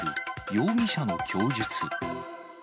容疑者の供述。